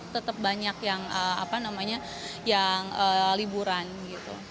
tetap banyak yang liburan gitu